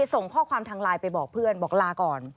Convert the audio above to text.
ส่งข้อความทางไลน์ไปบอกเพื่อนบอกลาก่อน